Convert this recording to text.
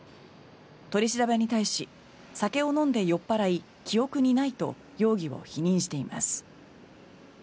取り調べに対し酒を飲んで酔っ払い記憶にないと容疑を否認しています。